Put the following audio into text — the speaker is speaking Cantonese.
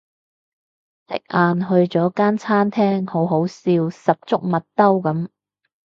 食晏去咗間餐廳好好笑十足麥兜噉